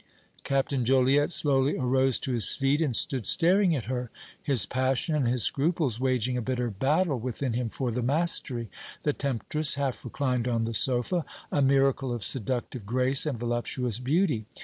Captain Joliette slowly arose to his feet and stood staring at her, his passion and his scruples waging a bitter battle within him for the mastery. The temptress half reclined on the sofa, a miracle of seductive grace and voluptuous beauty.